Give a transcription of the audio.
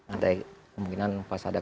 ada kemungkinan pas ada